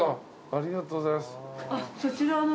ありがとうございます。